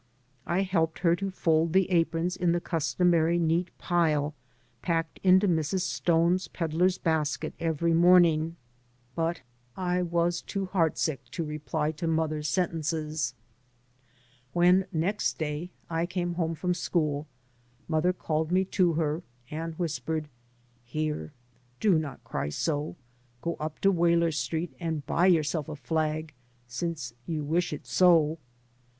I helped her to fold the aprons in the customary neat pile packed into Mrs. Stone's pedlar's basket every morning, but by Google MY MOTHER AND I I was too heart sick to reply to. mother's sen tences. When, next day, I came home from school, mother called me to her and whis pered, " Here 1 Do not cry so. Go up to Waler Street and buy yourself a flag, since you wish it so."